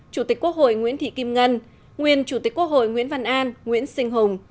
chủ tịch quốc hội nguyễn thị kim ngân nguyên chủ tịch quốc hội nguyễn văn an nguyễn sinh hùng